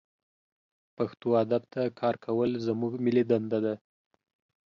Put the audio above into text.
پښتو ادب ته کار کول زمونږ ملي دنده ده